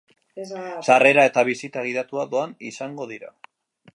Sarrera eta bisita gidatua doan izango dira.